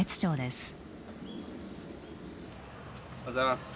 おはようございます。